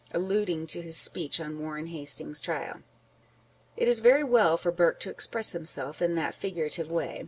â€" alluding to his speech on Warren Hastings's trial. " It is very well for Burke to express himself in that figurative way.